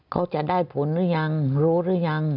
เขาจะได้ผลหรือยังรู้หรือยัง